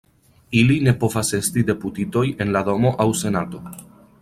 Ili ne povas esti deputitoj en la Domo aŭ Senato.